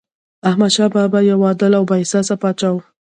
احمدشاه بابا یو عادل او بااحساسه پاچا و.